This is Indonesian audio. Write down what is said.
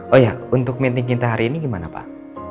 oh ya untuk mainting kita hari ini gimana pak